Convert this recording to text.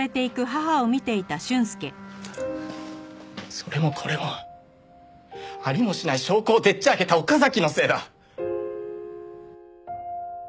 それもこれもありもしない証拠をでっちあげた岡崎のせいだ！